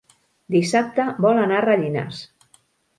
Dissabte vol anar a Rellinars.